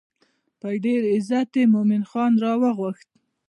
په ډېر عزت یې مومن خان راوغوښت.